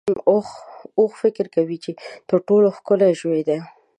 اوښ فکر کوي چې تر ټولو ښکلی ژوی دی.